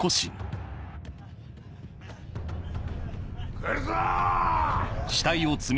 来るぞ！